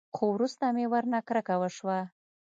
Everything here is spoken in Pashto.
خو وروسته مې ورنه کرکه وسوه.